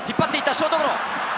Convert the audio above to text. ショートゴロ！